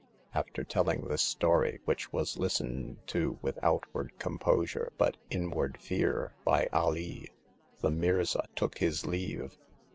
After telling this story, which was listened to, with outward composure but inward fear by Alee, the Mirza took his leave.